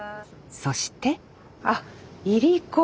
そしてあいりこ。